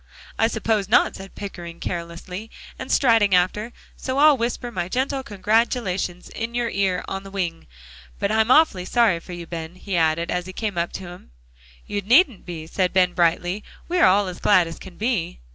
"I suppose not," said Pickering carelessly, and striding after, "so I'll whisper my gentle congratulations in your ear 'on the wing.' But I'm awfully sorry for you, Ben," he added, as he came up to him. "You needn't be," said Ben brightly, "we are all as glad as can be."